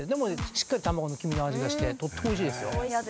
しっかり卵の黄身の味がしてとってもおいしいですよ。